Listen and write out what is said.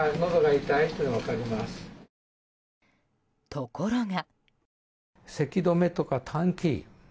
ところが。